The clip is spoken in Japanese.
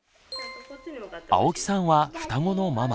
青木さんは双子のママ。